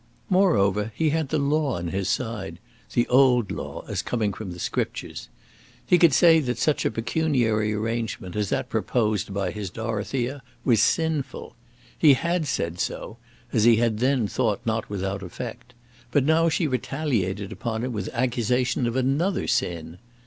Moreover he had the law on his side, the old law as coming from the Scriptures. He could say that such a pecuniary arrangement as that proposed by his Dorothea was sinful. He had said so, as he had then thought not without effect; but now she retaliated upon him with accusation of another sin!